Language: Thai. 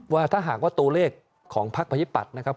ว่าถ้าหากว่าตัวเลขของภักดิ์ประชาธิปัตย์